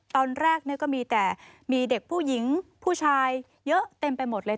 ตอนแรกก็มีแต่มีเด็กผู้หญิงผู้ชายเยอะเต็มไปหมดเลย